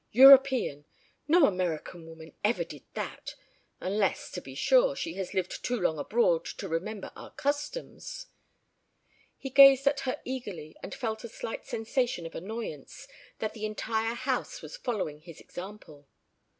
"European. No American woman ever did that unless, to be sure, she has lived too long abroad to remember our customs." He gazed at her eagerly, and felt a slight sensation of annoyance that the entire house was following his example.